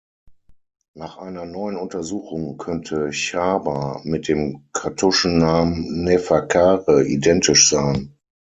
Nach einer neuen Untersuchung könnte Chaba mit dem Kartuschennamen Neferkare identisch sein.